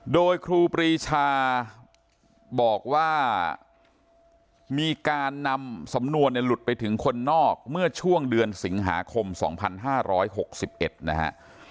โดยครูปรีชาบอกว่ามีการนำสำนวนเนี่ยหลุดไปถึงคนนอกเมื่อช่วงเดือนสิงหาคม๒๕๖๑นะฮะ